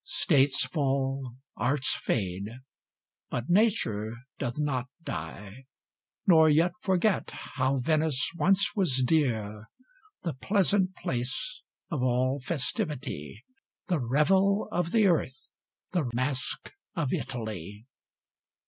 States fall, arts fade but Nature doth not die, Nor yet forget how Venice once was dear, The pleasant place of all festivity, The revel of the earth, the masque of Italy!